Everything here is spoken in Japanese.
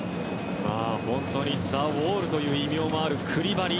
本当にザ・ウォールという異名もあるクリバリ。